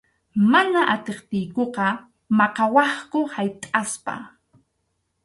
Mana atiptiykuta maqawaqku haytʼaspa.